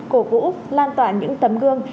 cổ vũ lan tỏa những tấm gương